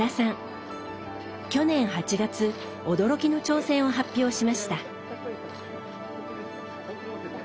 去年８月驚きの挑戦を発表しました。